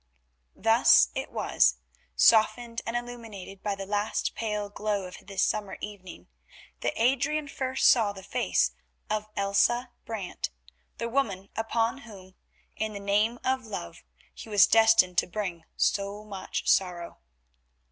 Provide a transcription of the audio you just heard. Thus it was, softened and illuminated by the last pale glow of this summer evening, that Adrian first saw the face of Elsa Brant, the woman upon whom, in the name of love, he was destined to bring so much sorrow.